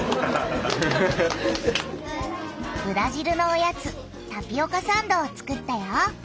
ブラジルのおやつタピオカサンドを作ったよ。